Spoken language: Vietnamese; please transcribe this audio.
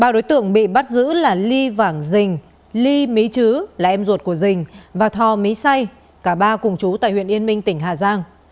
ba đối tượng bị bắt giữ là ly vảng dình ly mỹ chứ là em ruột của dình và thò mỹ say cả ba cùng chú tại huyện yên minh tỉnh hà giang